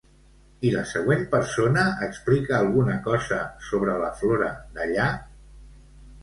I la següent persona explica alguna cosa sobre la flora d'allà?